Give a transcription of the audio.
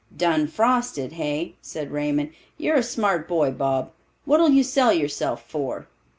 "Done frosted, hey?" said Raymond. "You're a smart boy, Bob. What'll you sell yourself for?"